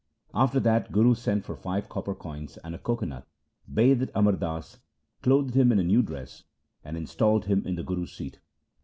After that the Guru sent for five copper coins and a coco nut, bathed Amar Das, clothed him in a new dress, and installed him in the Guru's seat.